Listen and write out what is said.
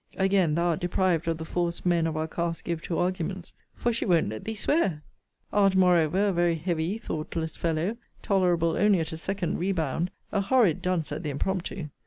Again, thou art deprived of the force men of our cast give to arguments; for she won't let thee swear! Art, moreover, a very heavy, thoughtless fellow; tolerable only at a second rebound; a horrid dunce at the impromptu.